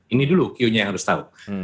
ini dulu q nya yang harus tahu